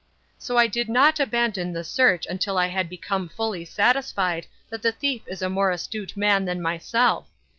So I did not abandon the search until I had become fully satisfied that the thief is a more astute man than myself.